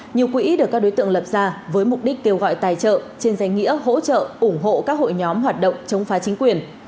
nhiều quỹ được các đối tượng lập ra với mục đích kêu gọi tài trợ trên danh nghĩa hỗ trợ ủng hộ các hội nhóm hoạt động chống phá chính quyền